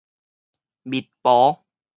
密婆